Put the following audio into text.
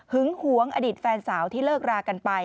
หวงอดีตแฟนสาวที่เลิกรากันไป